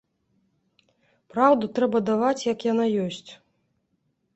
Праўду трэба даваць, як яна ёсць.